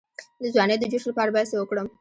د ځوانۍ د جوش لپاره باید څه وکړم؟